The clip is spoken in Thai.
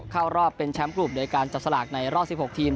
เข้ารอบเป็นแชมป์กลุ่มโดยการจับสลากในรอบ๑๖ทีม